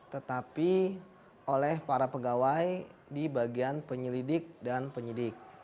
tetapi oleh para pegawai di bagian penyelidik dan penyidik